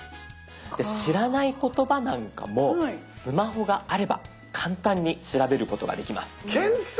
知らない言葉なんかもスマホがあれば簡単に調べることができます。